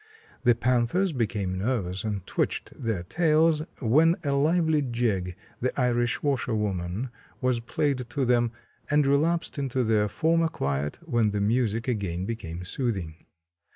The panthers became nervous and twitched their tails when a lively jig, 'The Irish Washerwoman,' was played to them, and relapsed into their former quiet when the music again became soothing.